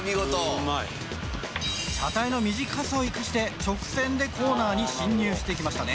うまい車体の短さを生かして直線でコーナーに進入していきましたね